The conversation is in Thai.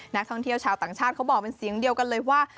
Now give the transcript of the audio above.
นักท่องเที่ยวชาวต่างชาติเขาบอกเป็นเสียงเดียวกันเลยว่า